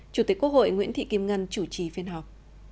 chủ tịch quốc hội nguyễn thị kim ngân chủ trì phiên họp